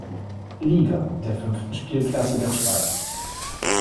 Liga, der fünften Spielklasse der Schweiz.